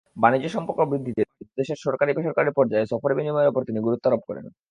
বাণিজ্য সম্পর্ক বৃদ্ধিতে দুদেশের সরকারি-বেসরকারি পর্যায়ে সফর বিনিময়ের ওপর তিনি গুরুত্বারোপ করেন।